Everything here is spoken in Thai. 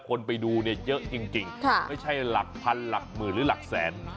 คนไปดูเนี่ยเยอะจริงไม่ใช่หลักพันหลักหมื่นหรือหลักแสน